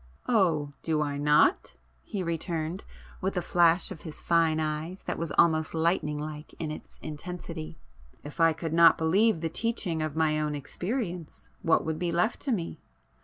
"Oh, do I not!" he returned, with a flash of his fine eyes that was almost lightning like in its intensity—"If I could not believe the teaching of my own experience, what would be left to me?